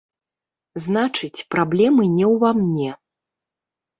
Значыць, праблемы не ўва мне.